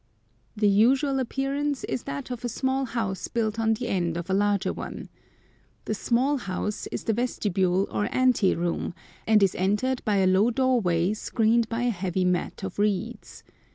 The usual appearance is that of a small house built on at the end of a larger one. The small house is the vestibule or ante room, and is entered by a low doorway screened by a heavy mat of reeds.